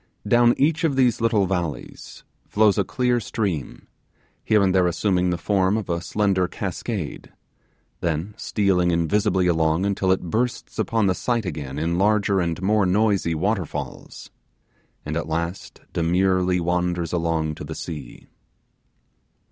Down each of these little valleys flows a clear stream, here and there assuming the form of a slender cascade, then stealing invisibly along until it bursts upon the sight again in larger and more noisy waterfalls, and at last demurely wanders along to the sea.